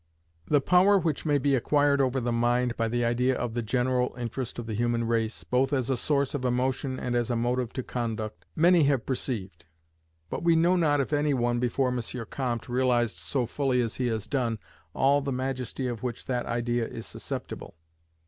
The power which may be acquired over the mind by the idea of the general interest of the human race, both as a source of emotion and as a motive to conduct, many have perceived; but we know not if any one, before M. Comte, realized so fully as he has done, all the majesty of which that idea is susceptible.